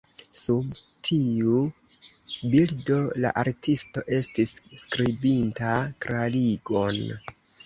Sub tiu bildo, la artisto estis skribinta klarigon.